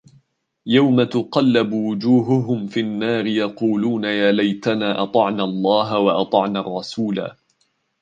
يوم تقلب وجوههم في النار يقولون يا ليتنا أطعنا الله وأطعنا الرسولا